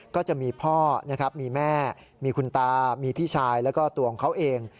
ก็จะมีพ่อนะครับมีแม่มีคุณตามีพี่ชายแล้วก็ตัวของเขาเอง